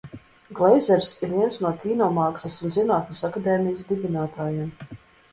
Gleizers ir viens no Kino mākslas un zinātnes akadēmijas dibinātājiem.